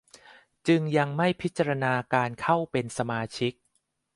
จึงยังไม่พิจารณาการเข้าเป็นสมาชิก